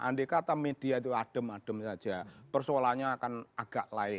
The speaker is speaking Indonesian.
andai kata media itu adem adem saja persoalannya akan agak lain